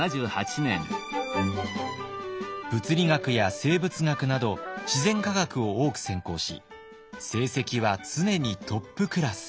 物理学や生物学など自然科学を多く専攻し成績は常にトップクラス。